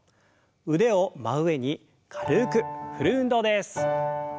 腕を真上に軽く振る運動です。